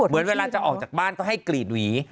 เวลาจะออกจากบ้านก็ให้กรีดหวี